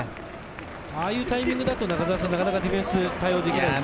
ああいうタイミングだと、なかなかディフェンス対応できないです